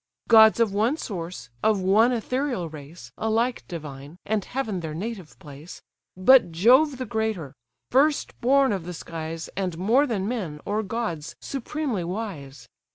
Gods of one source, of one ethereal race, Alike divine, and heaven their native place; But Jove the greater; first born of the skies, And more than men, or gods, supremely wise.